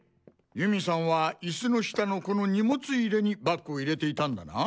祐美さんはイスの下のこの荷物入れにバッグを入れていたんだな？